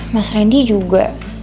mas randy juga